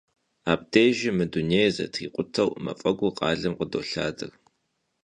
Абдежым мы дунейр зэтрикъутэу мафӏэгур къалэм къыдолъадэр.